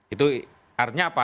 itu artinya apa